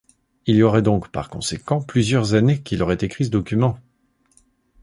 Il y aurait donc, par conséquent, plusieurs années qu’il aurait écrit ce document!